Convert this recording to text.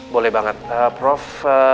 boleh banget prof